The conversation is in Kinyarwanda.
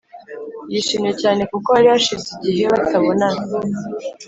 yishimye cyane kuko hari hashize igihe batabonana,